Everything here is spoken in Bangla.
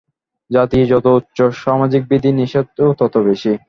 জাতি যত উচ্চ, সামাজিক বিধি-নিষেধও তত বেশী।